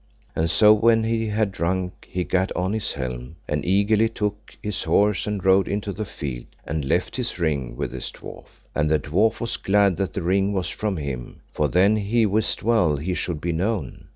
And so when he had drunk he gat on his helm, and eagerly took his horse and rode into the field, and left his ring with his dwarf; and the dwarf was glad the ring was from him, for then he wist well he should be known.